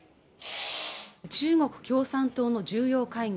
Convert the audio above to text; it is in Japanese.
中国共産党の重要会議